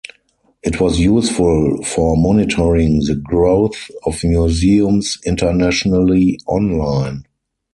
It was useful for monitoring the growth of museums internationally online.